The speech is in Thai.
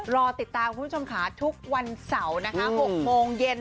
รอติดตามคุณผู้ชมค่ะทุกวันเสาร์นะคะ๖โมงเย็น